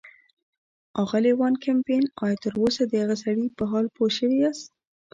اغلې وان کمپن، ایا تراوسه د هغه سړي په حال پوه شوي یاست.